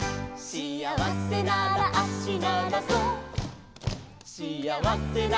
「しあわせなら足ならそう」